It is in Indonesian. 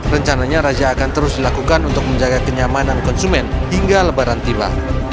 rencananya razia akan terus dilakukan untuk menjaga kenyamanan konsumen hingga lebaran tiba